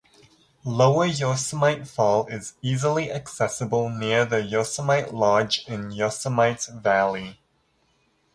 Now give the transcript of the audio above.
Lower Yosemite Fall is easily accessible near the Yosemite Lodge in Yosemite Valley.